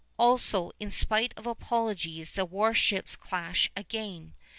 Also, in spite of apologies, the war ships clash again.